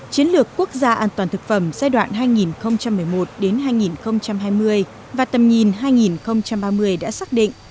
chiến lược quốc gia an toàn thực phẩm giai đoạn hai nghìn một mươi một hai nghìn hai mươi và tầm nhìn hai nghìn ba mươi đã xác định